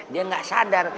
dia gak sadar